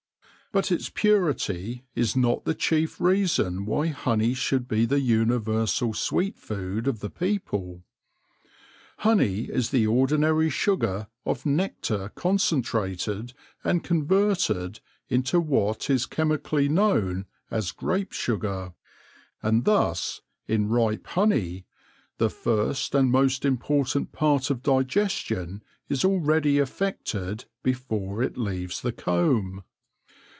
But its purity is not the chief reason why honey should be the universal sweet food of the people. Honey is the ordinary sugar of nectar concentrated and converted into what is chemically known as grape sugar ; and thus, in ripe honey, the first and most important part of digestion is already effected before it leaves the comb.